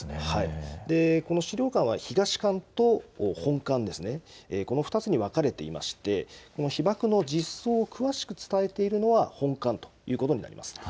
この資料館は東館と本館ですね、この２つに分かれていまして、この被爆の実相を詳しく伝えているのは本館ということになります。